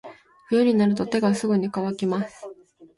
冬になると手がすぐに乾きます。